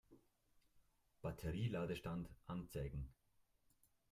Batterie-Ladestand anzeigen.